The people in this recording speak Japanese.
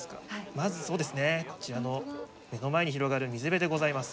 まずこちらの目の前に広がる水辺でございます。